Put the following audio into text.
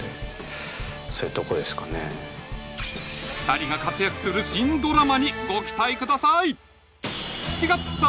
２人が活躍する新ドラマにご期待ください